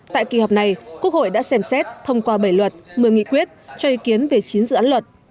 tại kỳ họp này quốc hội đã xem xét thông qua bảy luật một mươi nghị quyết cho ý kiến về chín dự án luật